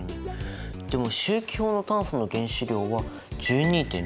でも周期表の炭素の原子量は１２．０１。